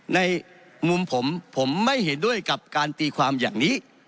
ในมุมผมผมไม่เห็นด้วยกับการตีความอย่างนี้